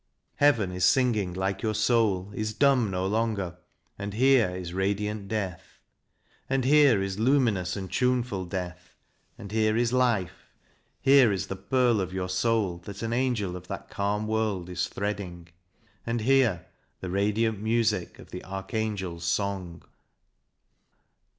Heaven is singing like your soul, is cfcimb no longer and here is radiant Death. And here is luminous and tuneful Death, and here is Life Here is the pearl of your soul that an angel of that calm world is threading, and here the radiant music of the Archangel's song.